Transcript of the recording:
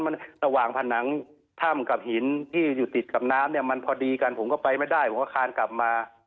มันระหว่างผนังถ้ำกับหินที่อยู่ติดกับน้ำเนี่ยมันพอดีกันผมก็ไปไม่ได้ผมก็คานกลับมา